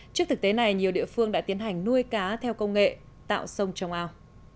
trước thực tế này nhiều địa phương đã tiến hành nuôi cá theo công nghệ tạo sông trong ao